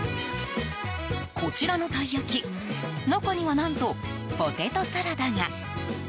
こちらのたい焼き中には何と、ポテトサラダが。